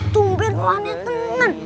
tungguin oh aneh tenan